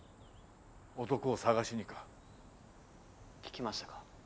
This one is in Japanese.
男を捜しにか聞きましたか